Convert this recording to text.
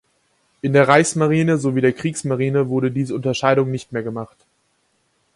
In der Reichsmarine sowie der Kriegsmarine wurde diese Unterscheidung nicht mehr gemacht.